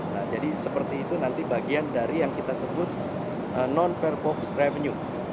nah jadi seperti itu nanti bagian dari yang kita sebut non fairbox revenue